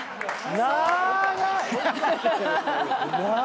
長い。